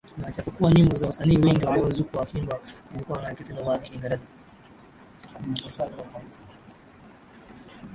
na japokuwa nyimbo za wasanii wengi walizokuwa wakiimba zilikuwa ni katika lugha ya Kiingereza